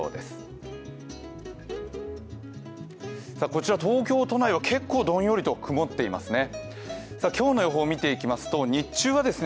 こちら東京都内は結構、どんよりと曇っていますね。